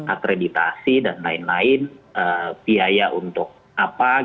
akreditasi dan lain lain biaya untuk apa